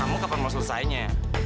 kamu kapan mau selesainya